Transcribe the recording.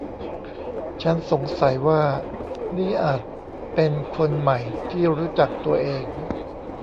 ฉันสงสัยว่านี่อาจเป็นคนใหม่ที่รู้จักตัวเอง